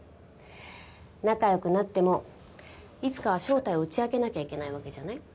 仲良くなってもいつかは正体を打ち明けなきゃいけないわけじゃない？